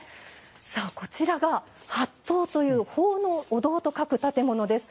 さあこちらが「法堂」という法のお堂と書く建物です。